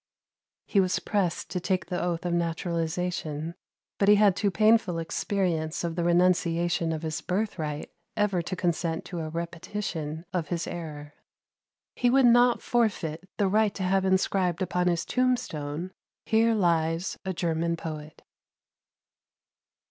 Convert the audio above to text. He was pressed to take the oath of naturalization, but he had too painful experience of the renunciation of his birthright ever to consent to a repetition of his error. He would not forfeit the right to have inscribed upon his tomb stone: "Here lies a German poet."